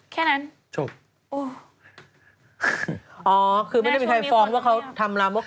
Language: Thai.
แค่นั้นจบโอ้อ๋อคือไม่ได้มีใครฟ้องว่าเขาทำลามก